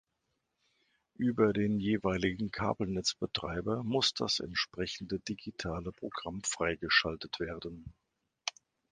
Über den jeweiligen Kabelnetzbetreiber muss das entsprechende digitale Programm freigeschaltet werden.